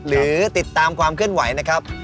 หรือติดตามความเคลื่อนไหวนะครับ